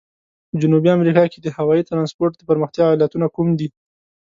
په جنوبي امریکا کې د هوایي ترانسپورت د پرمختیا علتونه کوم دي؟